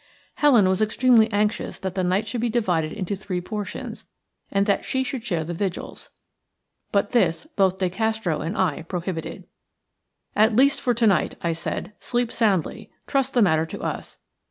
Helen was extremely anxious that the night should be divided into three portions, and that she should share the vigils; but this both De Castro and I prohibited. "At least for to night," I said. "Sleep soundly; trust the matter to us.